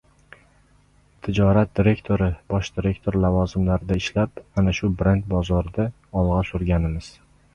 Tijorat direktori, bosh direktor lavozimlarida ishlab, ana shu brendni bozorda olg‘a surganmiz